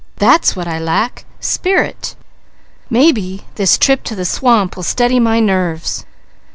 That's what I lack spirit! Maybe this trip to the swamp will steady my nerves!